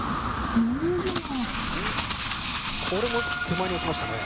これも手前に落ちましたね。